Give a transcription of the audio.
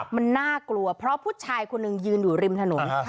มันน่ากลัวเพราะผู้ชายคนหนึ่งยืนอยู่ริมถนน